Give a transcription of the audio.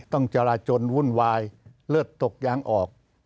ต้องจราจนวุ่นวายเลิศตกย้างออก